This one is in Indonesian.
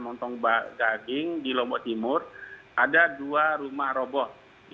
di lombok timur di lombok timur ada dua rumah roboh